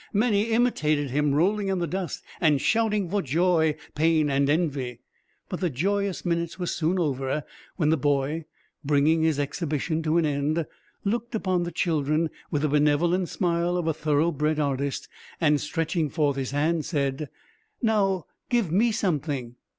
Many imitated him, rolling in the dust and shouting for joy, pain and envy. But the joyous minutes were soon over when the boy, bringing his exhibition to an end, looked upon the children with the benevolent smile of a thoroughbred artist and stretching forth his hand said: "Now give me something."